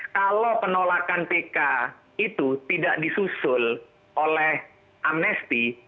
kalau penolakan pk itu tidak disusul oleh amnesti